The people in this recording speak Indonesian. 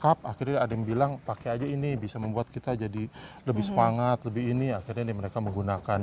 tapi setelah dia ditangkap akhirnya ada yang bilang pakai aja ini bisa membuat kita jadi lebih semangat lebih ini akhirnya ini mereka menggunakan